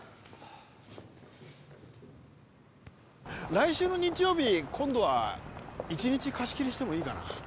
来週の日曜日今度は一日貸し切りしてもいいかな？